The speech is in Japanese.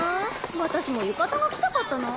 私も浴衣が着たかったなぁ。